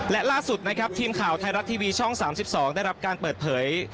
และล่าสุดนะครับทีมข่าวไทยรัฐทีวีช่อง๓๒ได้รับการเปิดเผย